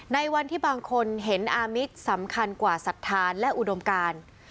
ในวันที่บางคนเห็นอามิตสำคัญกว่าศรัทธาและอุดมการ